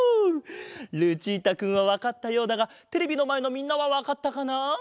ルチータくんはわかったようだがテレビのまえのみんなはわかったかな？